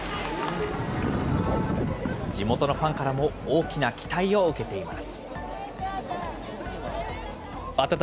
地元のファンからも大きな期待を受けています。